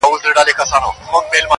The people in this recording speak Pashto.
زما خو ټوله كيسه هر چاته معلومه,